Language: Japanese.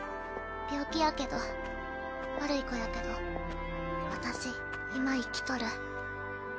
病気やけど悪い子やけど私今生きとる